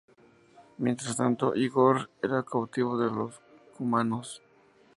Mientras tanto, Ígor era cautivo de los cumanos.